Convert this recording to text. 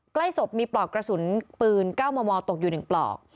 ใกล้ศพมีปลอกกระสุนปืน๙มมตกอยู่๑ปลอก